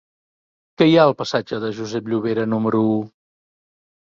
Què hi ha al passatge de Josep Llovera número u?